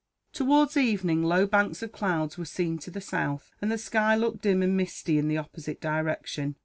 Towards evening, low banks of cloud were seen to the south, and the sky looked dim and misty in the opposite direction.